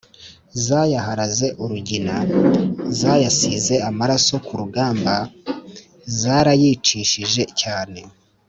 zayaharaze urugina: zayasize amaraso ku rugamba, zarayicishije cyane